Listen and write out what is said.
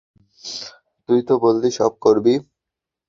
তুইতো বললি সব করবি?